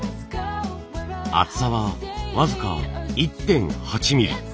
厚さは僅か１．８ミリ。